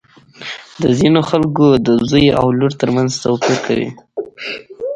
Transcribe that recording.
د ځینو خلکو د زوی او لور تر منځ توپیر کوي.